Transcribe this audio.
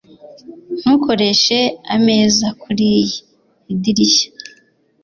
Ntukoreshe ameza kuriyi idirishya